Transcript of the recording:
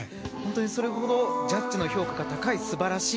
それほどジャッジの評価が高い素晴らしい